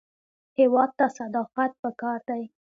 هېواد ته صداقت پکار دی